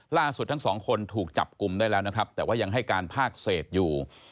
ล่าสุดทั้งสองคนถูกจับกลุ่มได้แล้วนะครับแต่ว่ายังให้การภาคเศษอยู่